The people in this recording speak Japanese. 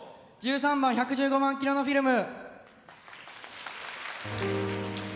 １３番「１１５万キロのフィルム」。